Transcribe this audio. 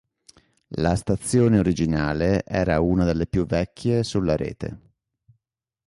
La stazione originale era una delle più vecchia sulla rete.